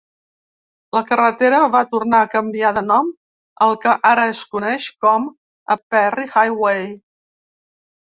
La carretera va tornar a canviar de nom al que ara es coneix com a Perry Highway.